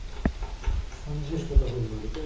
もしこんなふうになると。